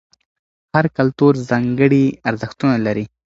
هر کلتور ځانګړي ارزښتونه لري.